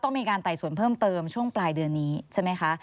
มีการไต่สวนเพิ่มเติมช่วงปลายเดือนนี้ใช่ไหมคะ